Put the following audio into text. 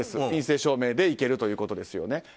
陰性証明でいけるということですね。